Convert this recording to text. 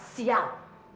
maksudnya bawa sial